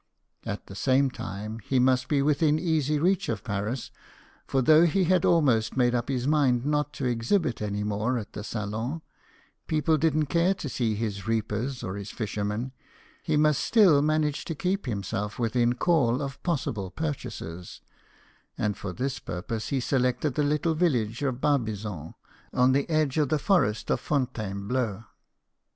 At the same time, he must be within easy reach of Paris ; for though he had almost made up his mind not to exhibit any more at the Salon people didn't care to see his reapers or his fishermen he must still manage to keep himself within call of possible purchasers ; and for this purpose he selected the little village of Barbizon, on the edge of the forest of Fontainebleau.